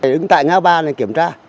đứng tại ngã ba này kiểm tra